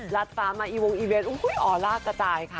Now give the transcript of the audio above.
รัดฟ้ามาอีวงอีเวทอ๋อรากตายค่ะ